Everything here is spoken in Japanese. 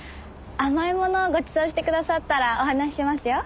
甘いものをごちそうしてくださったらお話ししますよ。